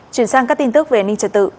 chuyển sang các tin tức về an ninh trật tự